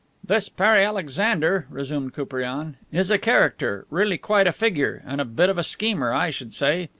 "This Pere Alexander," resumed Koupriane, "is a character, really quite a figure. And a bit of a schemer, I should say.